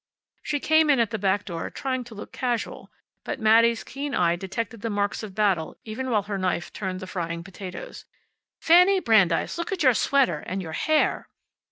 She came in at the back door, trying to look casual. But Mattie's keen eye detected the marks of battle, even while her knife turned the frying potatoes. "Fanny Brandeis! Look at your sweater! And your hair!"